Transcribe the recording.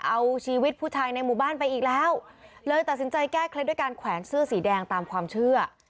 เอาชีวิตผู้ชายในหมู่บ้านไปอีกแล้วเลยตัดสินใจแก้เคล็ดด้วยการแขวนเสื้อสีแดงตามความเชื่อ